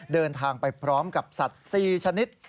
เดินทางไปพร้อมกับสัตว์๔ชนิด